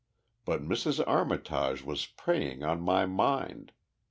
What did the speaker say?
But Mrs. Armitage was preying on my mind.